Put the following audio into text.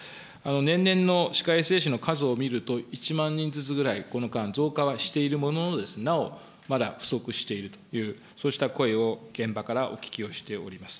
年々の歯科衛生士の数を見ると、１万人ずつぐらい、この間、増加はしているものの、なおまだ不足しているという、そうした声を現場からお聞きをしております。